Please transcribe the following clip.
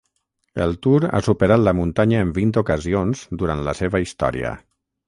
El Tour ha superat la muntanya en vint ocasions durant la seva història.